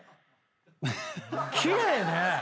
奇麗ね。